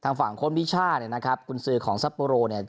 ทางฝั่งโคนวิชาศฮ่ะครับกุญษัยของซัปโปรโหมาเนีย